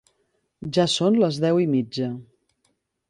Ja són les deu i mitja.